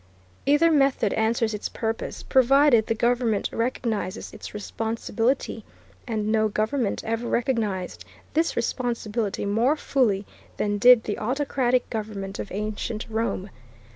Either method answers its purpose, provided the government recognizes its responsibility; and no government ever recognized this responsibility more fully than did the autocratic government of ancient Rome.